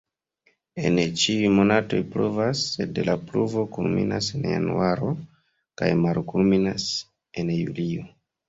En ĉiuj monatoj pluvas, sed la pluvo kulminas en januaro kaj malkulminas en julio.